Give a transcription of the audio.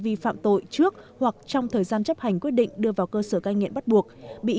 vi phạm tội trước hoặc trong thời gian chấp hành quyết định đưa vào cơ sở cai nghiện bắt buộc bị